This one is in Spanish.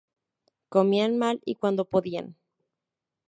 Comían mal y cuando podían.